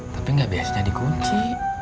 tapi gak biasanya dikunci